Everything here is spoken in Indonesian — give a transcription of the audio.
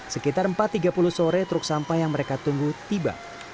sekitar empat tiga puluh sore truk sampah yang mereka tunggu tiba